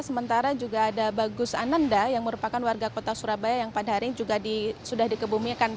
sementara juga ada bagus ananda yang merupakan warga kota surabaya yang pada hari ini juga sudah dikebumikan